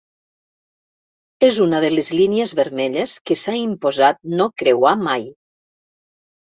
És una de les línies vermelles que s'ha imposat no creuar mai.